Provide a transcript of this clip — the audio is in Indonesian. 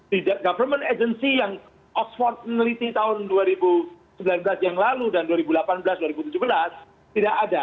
di government agency yang oxford meneliti tahun dua ribu sembilan belas yang lalu dan dua ribu delapan belas dua ribu tujuh belas tidak ada